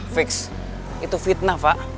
fiks itu fitnah fak